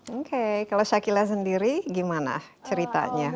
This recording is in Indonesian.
oke kalau shakila sendiri gimana ceritanya